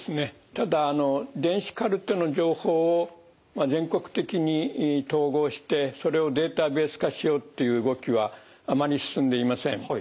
ただ電子カルテの情報を全国的に統合してそれをデータベース化しようっていう動きはあまり進んでいません。